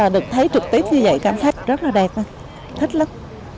tuyết như vậy cảm giác rất là đẹp thích lắm